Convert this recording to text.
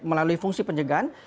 melalui fungsi pencegahan